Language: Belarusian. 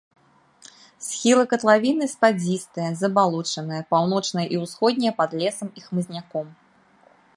Схілы катлавіны спадзістыя, забалочаныя, паўночныя і ўсходнія пад лесам і хмызняком.